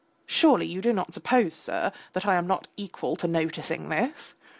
Surely you do not suppose, sir, that I am not equal to noticing all this?